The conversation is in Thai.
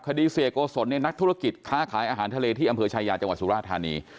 เสียโกศลในนักธุรกิจค้าขายอาหารทะเลที่อำเภอชายาจังหวัดสุราธานี